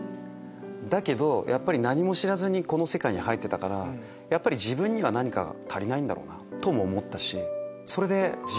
だけど何も知らずにこの世界に入ってたからやっぱり自分には何かが足りないんだろうとも思ったし。